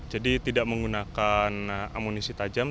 jadi tidak menggunakan amunisi tajam